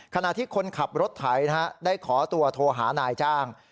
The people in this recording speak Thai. ขณะที่คนขับรถไถได้ขอตัวโทรหานายจ้าง